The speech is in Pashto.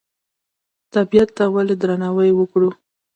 طبیعت ته ولې درناوی وکړو؟